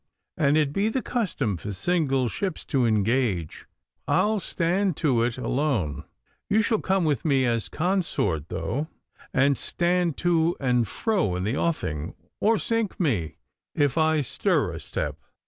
An' it be the custom for single ships to engage, I'll stand to it alone. You shall come with me as consort, though, and stand to and fro in the offing, or sink me if I stir a step.